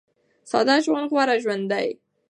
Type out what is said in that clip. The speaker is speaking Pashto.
ساده ژوند غوره ژوند دی.